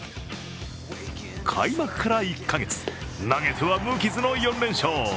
開幕から１か月、投げては無傷の４連勝。